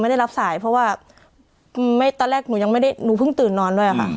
ได้รับสายเพราะว่าตอนแรกหนูยังไม่ได้หนูเพิ่งตื่นนอนด้วยค่ะ